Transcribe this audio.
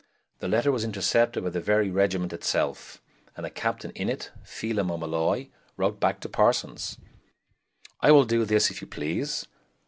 The letter was intercepted by the very regiment itself, and a captain in it, Felim O'Molloy, wrote back to Parsons: "I will doe this, if you please.